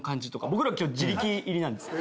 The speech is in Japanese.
僕ら今日自力入りなんですよ。